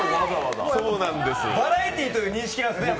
バラエティーという認識なんですね。